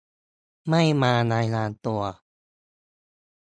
ไม่มารายงานตัว